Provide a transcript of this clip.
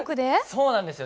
そうなんですよ